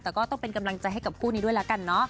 แต่ก็ต้องเป็นกำลังใจให้กับคู่นี้ด้วยแล้วกันเนาะ